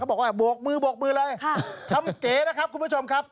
บวกมือเลยทำเก๋นะครับคุณผู้ชมครับ